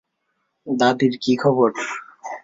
দাদির কি খবর?